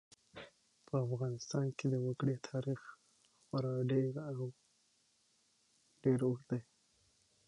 په افغانستان کې د وګړي تاریخ خورا ډېر او ډېر اوږد دی.